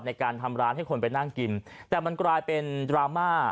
ในการทำร้านให้คนไปนั่งกินแต่มันกลายเป็นดราม่า